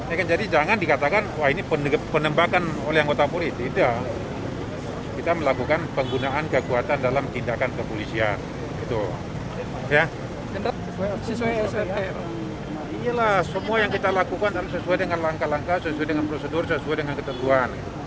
ini adalah semua yang kita lakukan sesuai dengan langkah langkah sesuai dengan prosedur sesuai dengan keteguhan